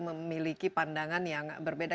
memiliki pandangan yang berbeda